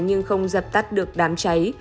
nhưng không dập tắt được đám cháy